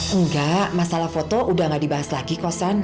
enggak masalah foto udah gak dibahas lagi kok san